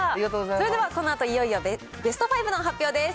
それではこのあといよいよベスト５の発表です。